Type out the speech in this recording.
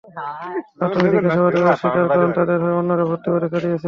প্রাথমিক জিজ্ঞাসাবাদে তাঁরা স্বীকার করেন, তাঁদের হয়ে অন্যরা ভর্তি পরীক্ষা দিয়েছেন।